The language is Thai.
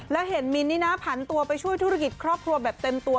แล้วเห็นมินนี่นะผันตัวไปช่วยธุรกิจครอบครัวแบบเต็มตัว